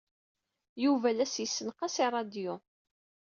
Yuba la as-yessenqas i ṛṛadyu.